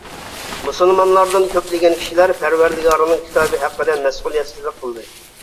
مۇسۇلمانلاردىن كۆپلىگەن كىشىلەر پەرۋەردىگارىنىڭ كىتابى ھەققىدە مەسئۇلىيەتسىزلىك قىلدى.